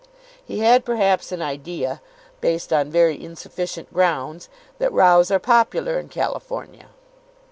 He had perhaps an idea, based on very insufficient grounds, that rows are popular in California.